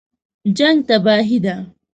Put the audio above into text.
جنګ تباهي ده